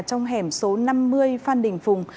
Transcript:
trong hẻm số năm mươi phan đình phùng